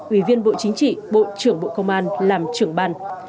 ủy viên bộ chính trị bộ trưởng bộ công an làm trưởng ban